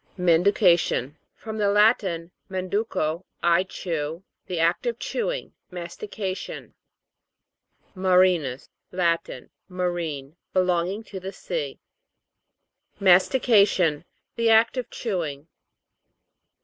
MANDUCA'TION. From the Latin, manduco, I chew. The act of chewing ; mastication. MARI'NUS. Latin. Marine ; belong ing to the sea. MASTICA'TION. The act of chewing.